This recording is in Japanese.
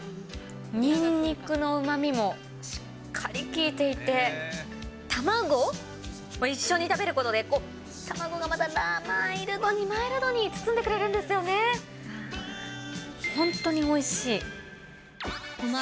にんにくのうまみもしっかり効いていて、卵を一緒に食べることで、卵がまたマイルドにマイルドに包んでくれるんですよね。